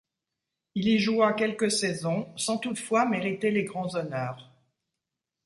Il y joua quelques saisons sans toutefois mériter les grands honneurs.